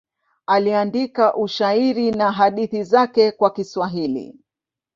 Aliandika ushairi na hadithi zake kwa Kiswahili.